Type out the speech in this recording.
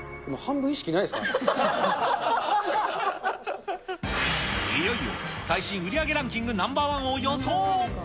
今、いよいよ最新売り上げランキングナンバー１を予想。